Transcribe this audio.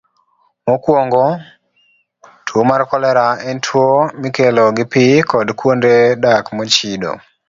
Mokwongo, tuwo mar kolera en tuwo mikelo gi pi kod kuonde dak mochido.